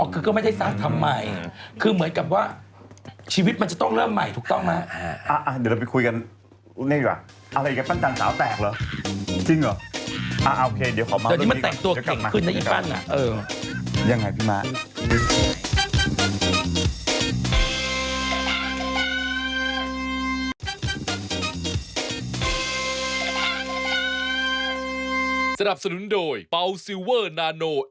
อ๋อคือก็ไม่ได้ซัสทำใหม่คือเหมือนกับว่าชีวิตมันจะต้องเริ่มใหม่ถูกต้องนะ